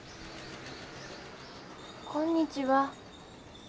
こんにちは。